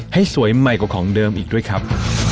ให้สวยใหม่กว่าของเดิมอีกด้วยครับ